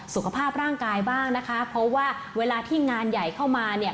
สุขภาพร่างกายบ้างนะคะเพราะว่าเวลาที่งานใหญ่เข้ามาเนี่ย